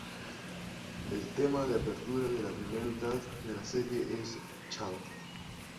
El tema de apertura de la primera mitad de la serie es "Change!